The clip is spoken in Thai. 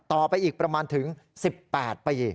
ต่อไปอีกประมาณถึง๑๘ปี